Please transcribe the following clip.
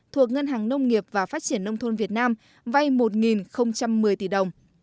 thuộc ngân hàng nông nghiệp và phát triển nông thôn việt nam vay một một mươi tỷ đồng